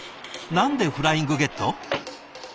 何で「フライングゲット」？